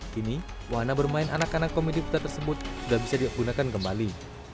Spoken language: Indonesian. kini wahana bermain anak anak komedi putra tersebut sudah bisa digunakan kembali